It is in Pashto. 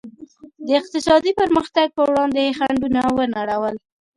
د اقتصادي پرمختګ پر وړاندې یې خنډونه ونړول.